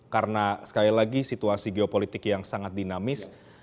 karena sekali lagi situasi geopolitik yang sangat dinamis